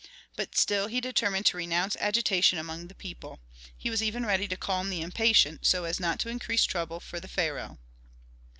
But still he determined to renounce agitation among the people. He was even ready to calm the impatient, so as not to increase trouble for the pharaoh.